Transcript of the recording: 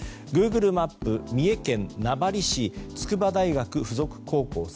グーグルマップ、三重県名張市筑波大学附属高校